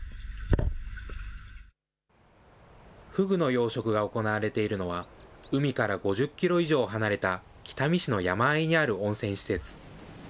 フグの養殖が行われているのは、海から５０キロ以上離れた北見市の山あいにある温泉施設。